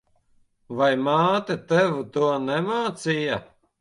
Vai māte tev to nemācīja?